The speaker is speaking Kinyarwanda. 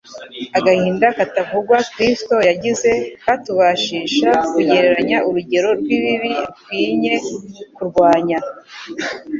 Agahinda katavugwa Kristo yagize katubashisha kugereranya urugero rw'ibibi rukwinye kurwanya